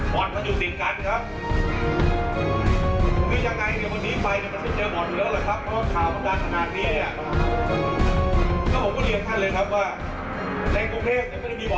แม่ถ้าผมไม่รอดในยกภูมิตำรวจ